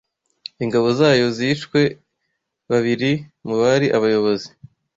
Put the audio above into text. ingabo zayo yishwe, babiri mu bari abayobozi